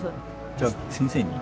じゃあ先生に？